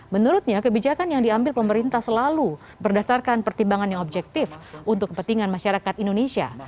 menurutnya kebijakan yang diambil pemerintah selalu berdasarkan pertimbangan yang objektif untuk kepentingan masyarakat indonesia